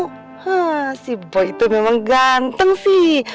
hmm si boy itu memang ganteng sih